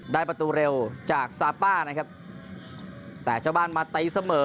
ได้ประตูเร็วจากซาป้านะครับแต่เจ้าบ้านมาตีเสมอ